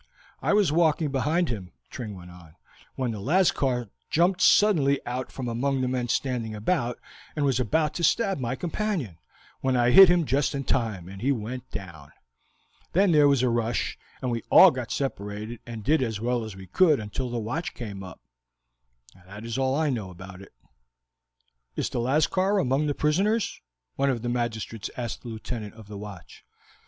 "I was walking behind him," Tring went on, "when the Lascar jumped suddenly out from among the men standing about, and was about to stab my companion, when I hit him just in time, and he went down; then there was a rush, and we all got separated, and did as well as we could until the watch came up; that is all that I know about it." "Is the Lascar among the prisoners?" one of the magistrates asked the Lieutenant of the watch.